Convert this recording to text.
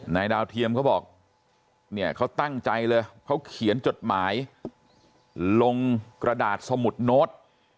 ดาวเทียมเขาบอกเนี่ยเขาตั้งใจเลยเขาเขียนจดหมายลงกระดาษสมุดโน้ต